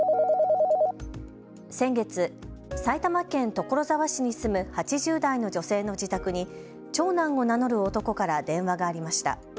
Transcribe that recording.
先月、埼玉県所沢市に住む８０代の女性の自宅に長男を名乗る男から電話がありました。